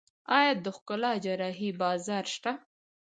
آیا د ښکلا جراحي بازار شته؟